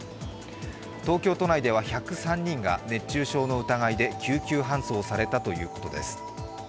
東京都内では１０３人が熱中症の疑いで救急搬送されたということです。